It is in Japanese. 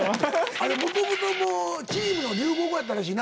あれもともともうチームの流行語やったらしいな。